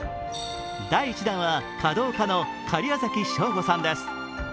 第１弾は華道家の假屋崎省吾さんです。